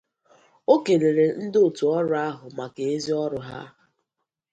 O kèlèrè ndị òtù ọrụ ahụ maka ezi ọrụ ha